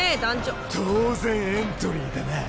当然エントリーだな。